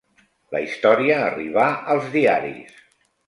La història arribà als diaris.